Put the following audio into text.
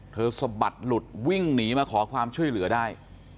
สะบัดหลุดวิ่งหนีมาขอความช่วยเหลือได้